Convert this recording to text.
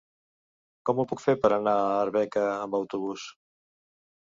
Com ho puc fer per anar a Arbeca amb autobús?